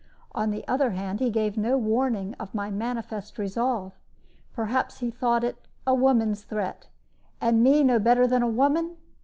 On the other hand, he gave no warning of my manifest resolve; perhaps he thought it a woman's threat, and me no better than a woman!